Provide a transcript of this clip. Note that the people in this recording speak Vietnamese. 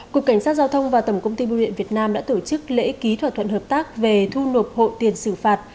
cục cảnh sát giao thông và tổng công ty bưu điện việt nam đã tổ chức lễ ký thỏa thuận hợp tác về thu nộp hộ tiền xử phạt